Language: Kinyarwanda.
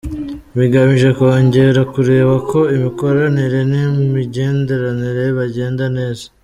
Bigamije kongera kureba ko imikoranire n’imigenderanire byagenda neza.